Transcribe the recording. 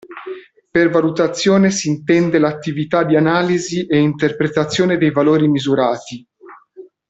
Per valutazione si intende l'attività di analisi e interpretazione dei valori misurati.